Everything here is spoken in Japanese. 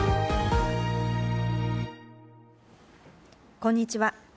こんにちは。